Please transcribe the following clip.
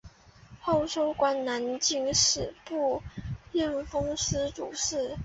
后授官南京吏部验封司主事。